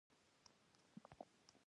کلونه وروسته دا ارمان پوره شو.